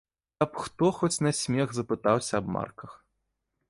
Каб хто хоць на смех запытаўся аб марках.